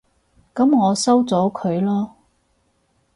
噉我收咗佢囉